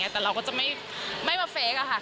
แต่เราก็จะไม่มาเฟคค่ะ